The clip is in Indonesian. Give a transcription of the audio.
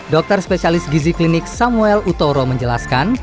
dokter spesialis gizi klinik samuel utoro menjelaskan